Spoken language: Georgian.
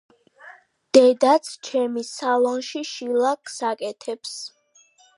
დედაცჩემი სალონში შილაკს აკეთებს